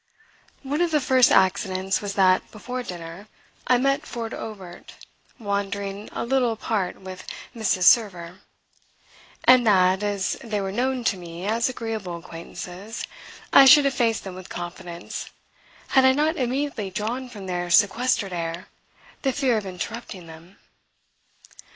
One of the first accidents was that, before dinner, I met Ford Obert wandering a little apart with Mrs. Server, and that, as they were known to me as agreeable acquaintances, I should have faced them with confidence had I not immediately drawn from their sequestered air the fear of interrupting them.